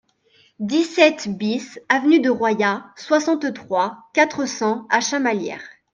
dix-sept BIS avenue de Royat, soixante-trois, quatre cents à Chamalières